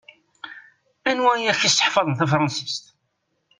Anwa i ak-iseḥfaḍen tafṛansist?